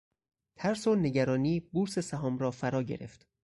ترس و نگرانی بورس سهام را فرا گرفت.